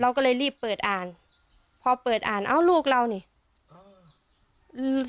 เราก็เลยรีบเปิดอ่านพอเปิดอ่านเอ้าลูกเรานี่อ๋ออืม